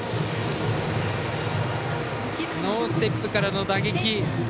ノーステップからの打撃。